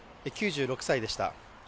９６歳でした。